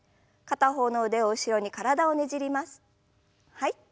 はい。